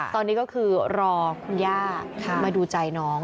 ตอนนี้ก็คือรอคุณย่ามาดูใจน้อง